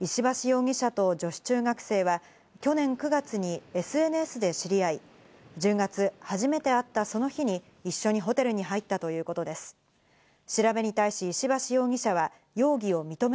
石橋容疑者と女子中学生は去年９月にＳＮＳで知り合い、１０月、初めて会ったその日に一緒にホテルに入ったということでお天気です。